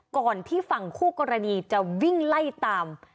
ก่อนที่ฝั่งคู่กรณีจะวิ่งไล่ตาม